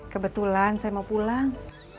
kebetulan saya mau pulang